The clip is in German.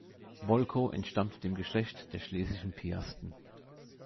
Bolko entstammte dem Geschlecht der Schlesischen Piasten.